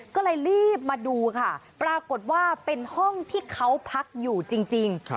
ก็เลยรีบมาดูค่ะปรากฏว่าเป็นห้องที่เขาพักอยู่จริง